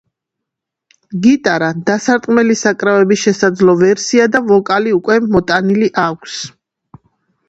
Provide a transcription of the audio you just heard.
გიტარა, დასარტყმელი საკრავების შესაძლო ვერსია და ვოკალი უკვე მოტანილი აქვს.